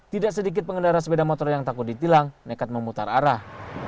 tidak sedikit pengendara sepeda motor yang takut ditilang nekat memutar arah